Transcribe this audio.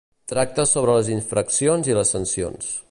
Tracta sobre les infraccions i les sancions.